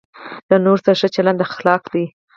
له نورو سره ښه چلند اخلاق دی.